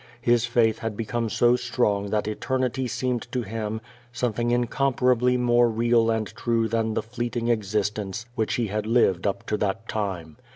His faith had become so strong that eternity seemed to him some thing incojbaparably more real and true than the fleeting ex istence whl^ch he had lived up to that time.